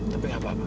tapi enggak apa apa